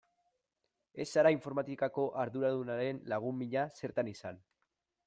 Ez zara informatikako arduradunaren lagun mina zertan izan.